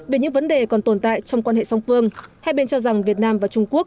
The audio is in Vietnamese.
về những vấn đề còn tồn tại trong quan hệ song phương hai bên cho rằng việt nam và trung quốc